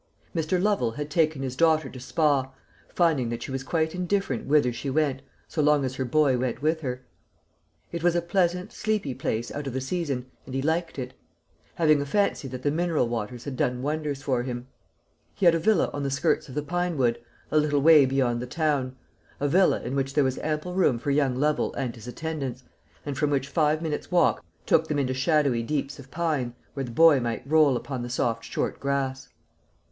Mr. Lovel had taken his daughter to Spa, finding that she was quite indifferent whither she went, so long as her boy went with her. It was a pleasant sleepy place out of the season, and he liked it; having a fancy that the mineral waters had done wonders for him. He had a villa on the skirts of the pine wood, a little way beyond the town; a villa in which there was ample room for young Lovel and his attendants, and from which five minutes' walk took them into shadowy deeps of pine, where the boy might roll upon the soft short grass.